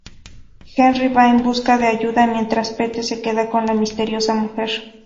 Henry va en busca de ayuda mientras Pete se queda con la misteriosa mujer.